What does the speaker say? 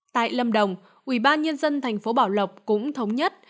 tại lâm đồng ubnd tp bảo lộc cũng thống nhất